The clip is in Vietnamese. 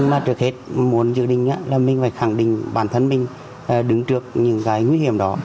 mình muốn giữ đình mình phải khẳng định bản thân mình đứng trước những cái nguy hiểm đó